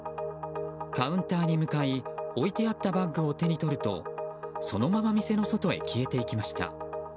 カウンターに向かい置いてあったバッグを手に取るとそのまま店の外へ消えていきました。